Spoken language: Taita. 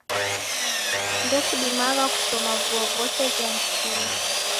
Ndekudimagha kushoma vuo vose viandikilo